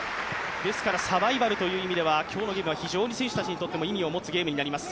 サバイバルという意味では今日のゲームは選手たちにとって意味を持つゲームになります。